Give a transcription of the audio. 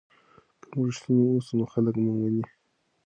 که موږ رښتیني اوسو نو خلک مو مني.